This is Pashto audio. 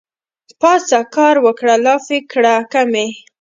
پاڅه کار وکړه لافې کړه کمې